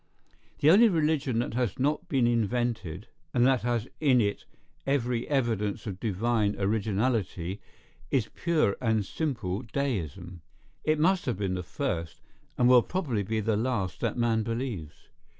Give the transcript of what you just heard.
The only religion that has not been invented, and that has in it every evidence of divine originality, is pure and simple deism. It must have been the first and will probably be the last that man believes.